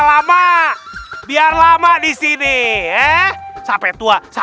sampai jumpa di video selanjutnya